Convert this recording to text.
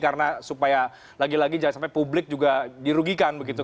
karena supaya lagi lagi jangan sampai publik juga dirugikan begitu